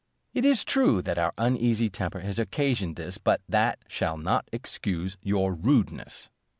It is true that our easy temper has occasioned this, but that shall not excuse your rudeness."